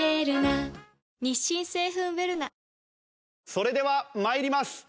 それでは参ります。